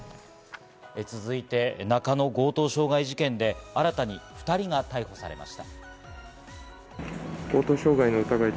続いて、中野・強盗傷害事件で新たに２人が逮捕されました。